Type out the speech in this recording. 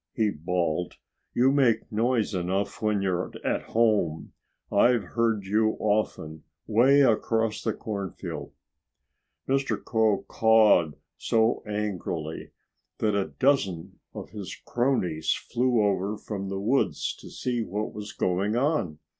he bawled. "You make noise enough when you're at home. I've heard you often, way across the cornfield." Mr. Crow cawed so angrily that a dozen of his cronies flew over from the woods to see what was going on.